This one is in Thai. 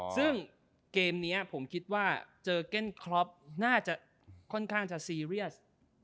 ซึ่งเกมนี้ผมคิดว่าเจอเก้นครอปน่าจะค่อนข้างจะซีเรียส